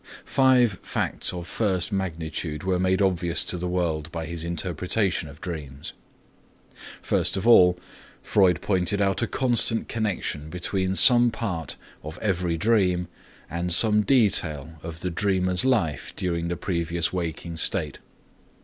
Five facts of first magnitude were made obvious to the world by his interpretation of dreams. First of all, Freud pointed out a constant connection between some part of every dream and some detail of the dreamer's life during the previous waking state.